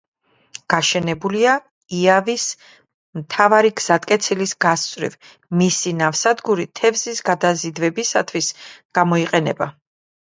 გაშენებულია იავის მთავარი გზატკეცილის გასწვრივ; მისი ნავსადგური თევზის გადაზიდვებისთვის გამოიყენება.